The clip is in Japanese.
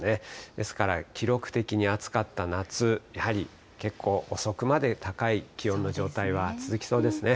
ですから、記録的に暑かった夏、やはり、結構遅くまで高い気温の状態は続きそうですね。